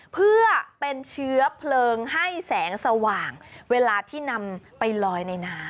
เพื่อเป็นเชื้อเพลิงให้แสงสว่างเวลาที่นำไปลอยในน้ำ